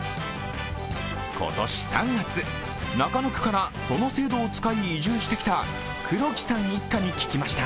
今年３月、中野区からその制度を使い移住してきた黒木さん一家に聞きました。